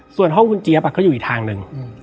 ส่วนห้องคุณเจี๊ยบก็อยู่อีกทางหนึ่ง